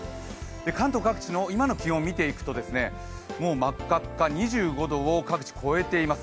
関東各地の今の気温を見ていくともう真っ赤っか２５度を各地超えています。